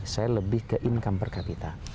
saya lebih ke income per capita